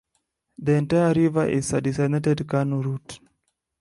The entire river is a designated canoe route.